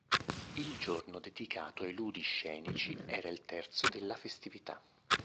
Il giorno dedicato ai ludi scenici era il terzo della festività.